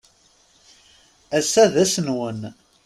Ass-a d ass-nnwen.